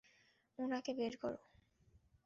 উনাকে বের করো!